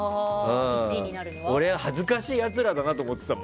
俺は恥ずかしいやつらだなと思ってたもん。